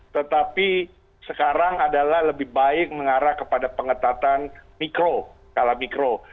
tetapi sekarang adalah lebih baik mengarah kepada pengetatan mikro skala mikro